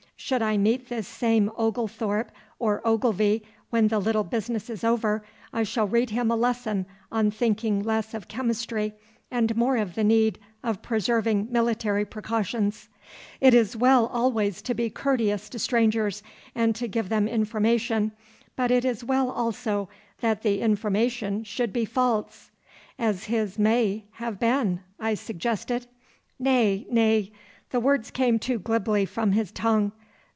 Should I meet this same Oglethorpe or Ogilvy when the little business is over, I shall read him a lesson on thinking less of chemistry and more of the need of preserving military precautions. It is well always to be courteous to strangers and to give them information, but it is well also that the information should be false.' 'As his may have been,' I suggested. 'Nay, nay, the words came too glibly from his tongue.